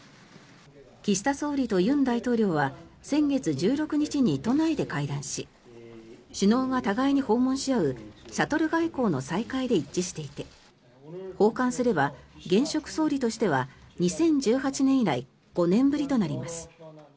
岸田総理と尹大統領は先月１６日に都内で会談し首脳が互いに訪問し合うシャトル外交の再開で一致していて訪韓すれば、現職総理としては２０１８年以来５年ぶりとなります。